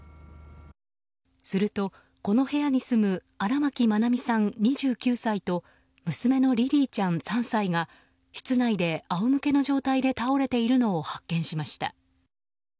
すると、この部屋に住む荒牧愛美さん、２９歳と娘のリリィちゃん、３歳が室内で仰向けの状態で倒れているのを発見しました。